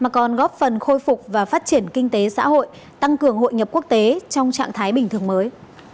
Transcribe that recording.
còn khôi phục và phát triển kinh tế xã hội tăng cường hội nhập quốc tế trong trạng thái bình thường mới